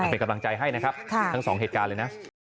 เป็นกำลังใจให้นะครับทั้งสองเหตุการณ์เลยนะ